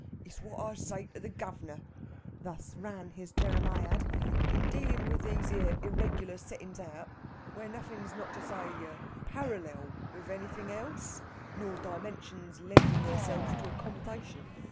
"It's what I say to the guv'nor" thus ran his Jeremiad "in dealin' with these here irregular settin's out, where nothin's not to say parallel with anything else, nor dimensions lendin' theirselves to accommodation.